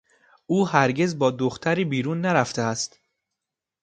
او هرگز با دختری بیرون نرفته است.